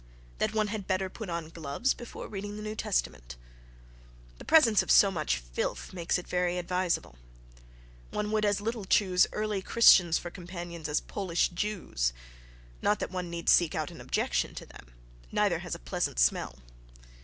That one had better put on gloves before reading the New Testament. The presence of so much filth makes it very advisable. One would as little choose "early Christians" for companions as Polish Jews: not that one need seek out an objection to them.... Neither has a pleasant smell.